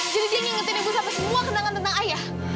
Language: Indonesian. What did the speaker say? jadi dia ngingetin ibu sama semua kenangan tentang ayah